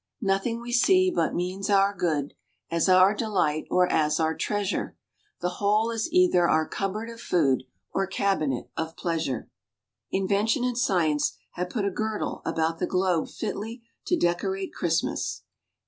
"Nothing we see but means our good, As our delight or as our treasure; The whole is either our cupboard of food Or cabinet of pleasure." Invention and science have put a girdle about the globe fitly to decorate Christmas.